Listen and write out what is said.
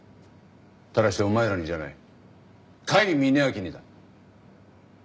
ただしお前らにじゃない甲斐峯秋にだ。